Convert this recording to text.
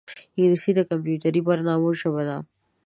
انګلیسي د کمپیوټري برنامو ژبه ده